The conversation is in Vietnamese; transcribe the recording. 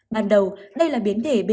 ban đầu đây là biến thể b